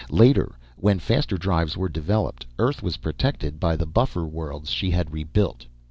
Later, when faster drives were developed, Earth was protected by the buffer worlds she had rebuilt.